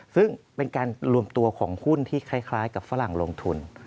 ซึ่งเป็นการรวมตัวของหุ้นที่คล้ายกับฝรั่งลงทุน